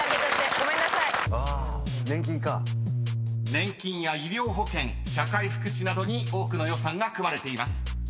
［年金や医療保険社会福祉などに多くの予算が組まれています］